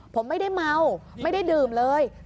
ผมไม่ได้เมาไม่ได้ดื่มเลย